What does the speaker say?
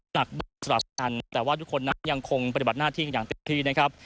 หนักเบาสลับสนันแต่ว่าทุกคนนั้นยังคงปฏิบัติหน้าที่อย่างเต็มที่นะครับ